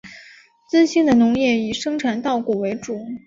资兴的农业以生产稻谷为主。